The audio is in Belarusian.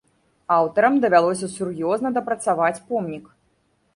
Аўтарам давялося сур'ёзна дапрацаваць помнік.